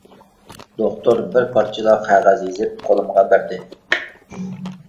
دوختۇر بىر پارچىلا قەغەز يېزىپ قولۇمغا بەردى.